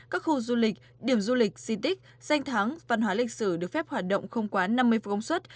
các khu du lịch điểm du lịch si tích danh thắng văn hóa lịch sử được phép hoạt động không quá năm mươi phút công suất